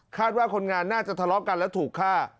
ว่าคนงานน่าจะทะเลาะกันและถูกฆ่า